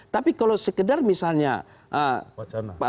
tapi kalau sekedar misalnya